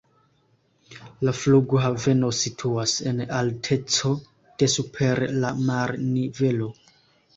La flughaveno situas en alteco de super la marnivelo.